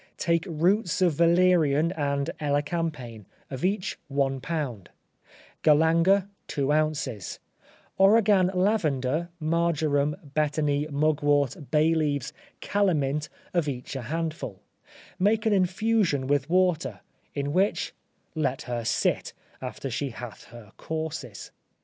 Take roots of valerian and elecampane, of each one pound; galanga, two ounces; origan lavender, marjoram, betony, mugwort, bay leaves, calamint, of each a handful; make an infusion with water, in which let her sit, after she hath her courses.